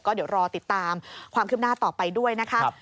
ก็เดี๋ยวรอติดตามความคืบหน้าต่อไปด้วยนะคะ